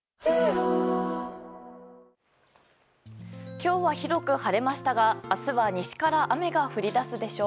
今日は広く晴れましたが明日は西から雨が降り出すでしょう。